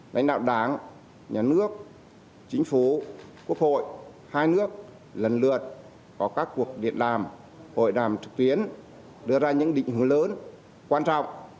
lãnh đạo đảng nhà nước chính phủ quốc hội hai nước lần lượt có các cuộc điện đàm hội đàm trực tuyến đưa ra những định hướng lớn quan trọng